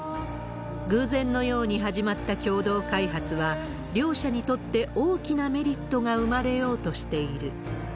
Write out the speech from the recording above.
偶然のように始まった共同開発は、両者にとって大きなメリットが生まれようとしている。